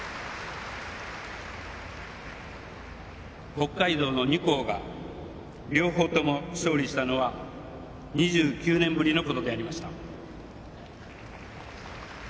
北海道の２校が両方とも勝利したのは２９年ぶりのことでありました。